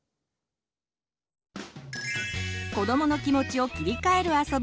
子どもの気持ちを切り替えるあそび